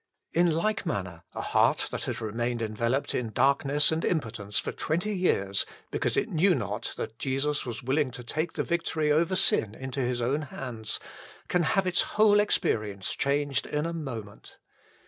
In like manner, a heart that has remained enveloped in darkness and impotence for twenty years, because it knew not that Jesus was willing to take the victory over sin into His own hands, can have its whole experience changed in a moment.